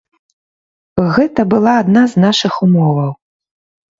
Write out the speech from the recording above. Гэта была адна з нашых умоваў.